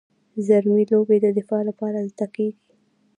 رزمي لوبې د دفاع لپاره زده کیږي.